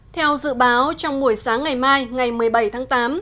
theo dự báo trong buổi sáng ngày mai ngày một mươi bảy tháng tám